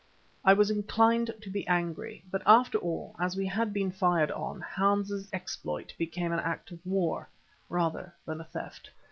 I was inclined to be angry, but after all, as we had been fired on, Hans's exploit became an act of war rather than a theft.